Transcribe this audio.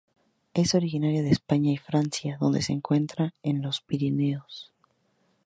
Es originaria de España y Francia donde se encuentra en los Pirineos.